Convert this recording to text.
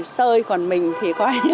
sơi còn mình thì